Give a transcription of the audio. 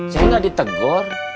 ceng gak ditegor